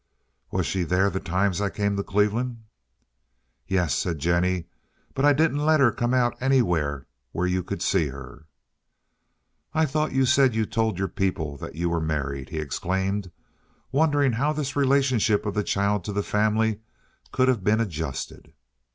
"Was she there the times I came to Cleveland?" "Yes," said Jennie; "but I didn't let her come out anywhere where you could see her." "I thought you said you told your people that you were married," he exclaimed, wondering how this relationship of the child to the family could have been adjusted.